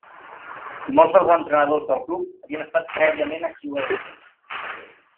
Molts dels entrenadors del club havien estat prèviament exjugadors.